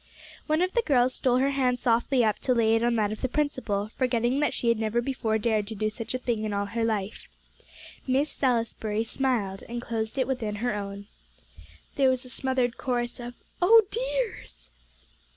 One of the girls stole her hand softly up to lay it on that of the principal, forgetting that she had never before dared to do such a thing in all her life. Miss Salisbury smiled, and closed it within her own. There was a smothered chorus of "Oh dears!"